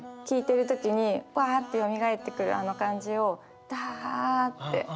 聴いてる時にパッてよみがえってくるあの感じをダッて。